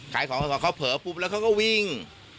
ขายของเขาเผลอปุ๊บแล้วเขาก็วิ่ง